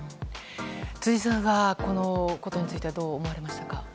辻さんは、このことについてはどう思われましたか。